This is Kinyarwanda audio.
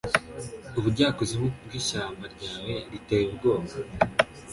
Ubujyakuzimu bw'ishyamba ryawe riteye ubwoba: